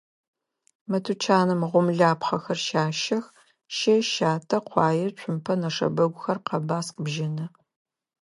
Мы тучаным гъомлапхъэхэр щащэх: щэ, щатэ, къуае, цумпэ, нэшэбэгухэр, къэбаскъ, бжьыны.